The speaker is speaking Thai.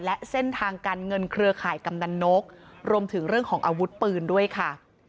และเส้นทางการเงินเครือข่ายกำนันนกรวมถึงเรื่องของอาวุธปืนด้วยค่ะ